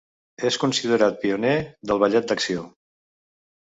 És considerat pioner del ballet d'acció.